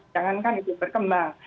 jangankan itu berkembang